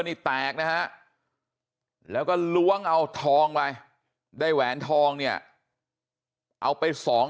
นี่แตกนะฮะแล้วก็ล้วงเอาทองไปได้แหวนทองเนี่ยเอาไปสอง